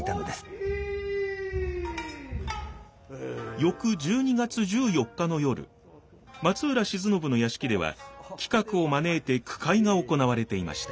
翌１２月１４日の夜松浦鎮信の屋敷では其角を招いて句会が行われていました。